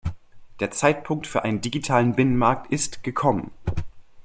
Der Zeitpunkt für einen digitalen Binnenmarkt ist gekommen.